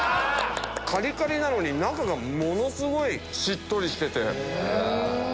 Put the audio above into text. カリカリなのに中がものすごいしっとりしてて。